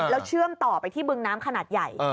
แล้วเชื่อมต่อไปที่บึงน้ำขนาดใหญ่